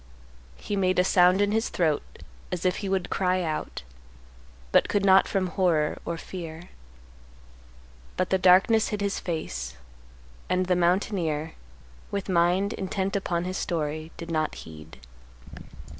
He made a sound in his throat as if he would cry out, but could not from horror or fear. But the darkness hid his face, and the mountaineer, with mind intent upon his story, did not heed.